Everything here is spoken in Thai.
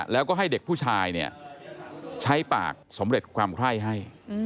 แล้วก็ให้เด็กผู้ชายเนี่ยใช้ปากสำเร็จความไคร้ให้